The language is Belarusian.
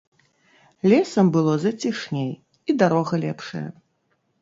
Лесам было зацішней і дарога лепшая.